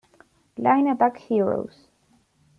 Line Attack Heroes